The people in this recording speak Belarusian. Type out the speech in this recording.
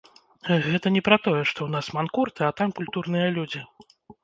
Гэта не пра тое, што ў нас манкурты, а там культурныя людзі.